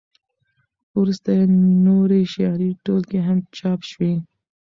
وروسته یې نورې شعري ټولګې هم چاپ شوې.